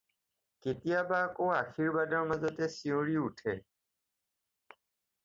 কেতিয়াবা আকৌ আশীৰ্বাদৰ মাজতে চিঞৰি উঠে।